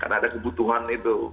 karena ada kebutuhan itu